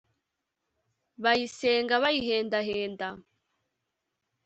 . Bayisenga: Bayihendahenda.